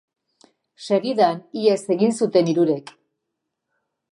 Segidan, ihes egin zuten hirurek.